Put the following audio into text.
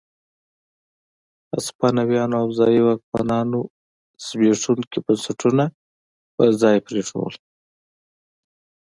هسپانويانو او ځايي واکمنانو زبېښونکي بنسټونه پر ځای پرېښودل.